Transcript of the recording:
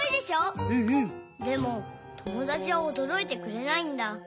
でもともだちはおどろいてくれないんだ。